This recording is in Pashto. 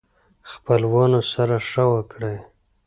خپلوانو سره ښه وکړئ